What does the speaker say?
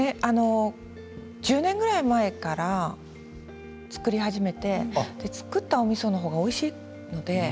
１０年ぐらい前から作り始めて作ったおみその方がおいしいので。